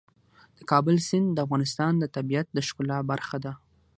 د کابل سیند د افغانستان د طبیعت د ښکلا برخه ده.